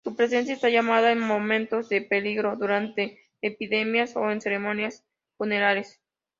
Su presencia está llamada en momentos de peligro, durante epidemias o en ceremonias funerales.